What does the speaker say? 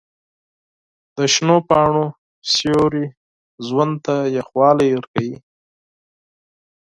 د شنو پاڼو سیوري ژوند ته یخوالی ورکوي.